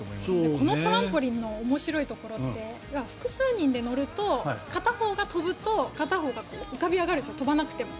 このトランポリンの面白いところって複数人で乗ると片方が跳ぶと片方が浮かび上がるんです跳ばなくても。